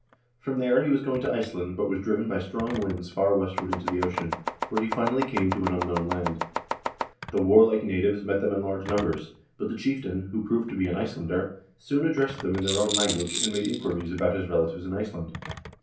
From there he was going to Iceland, but was driven by strong winds far westward into the ocean, where he finally came to an unknown land. The warlike natives met them in large numbers, but the chieftain, who proved to be an Ice lander, soon addressed them in their own language, and made inquiries about his relatives in Iceland.